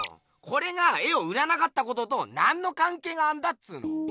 これが絵を売らなかったことと何のかんけいがあんだっつーの！